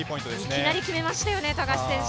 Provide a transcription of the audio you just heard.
いきなり決めましたよね、富樫選手。